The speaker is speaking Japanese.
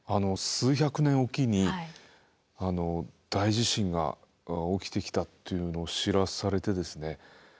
数百年おきに大地震が起きてきたっていうのを知らされてですね